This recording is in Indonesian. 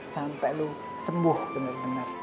sampai lu sembuh bener bener